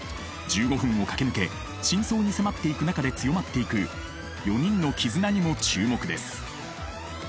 １５分を駆け抜け真相に迫っていく中で強まっていく４人の絆にも注目です。